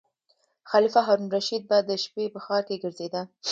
خلیفه هارون الرشید به د شپې په ښار کې ګرځیده.